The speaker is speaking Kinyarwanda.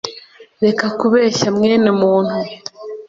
reka kubeshya mwene muntu